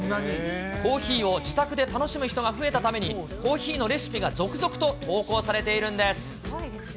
コーヒーを自宅で楽しむ人が増えたために、コーヒーのレシピが続々と投稿されているんです。